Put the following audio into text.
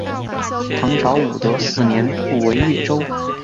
唐朝武德四年复为越州。